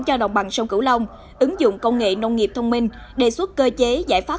cho đồng bằng sông cửu long ứng dụng công nghệ nông nghiệp thông minh đề xuất cơ chế giải pháp